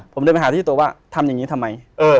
ผมเดินไปหาที่ตัวว่าทำอย่างนี้ทำไม